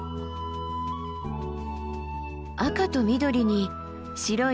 赤と緑に白い